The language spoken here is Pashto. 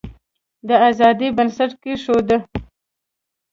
د آزادی بنسټ کښېښود.